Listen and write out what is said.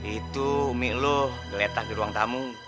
itu umik lo geletak di ruang tamu